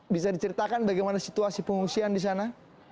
bisa diceritakan bagaimana situasi pengungsian di sana